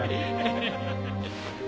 ハハハハ。